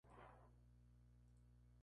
La población cuenta con dos templos.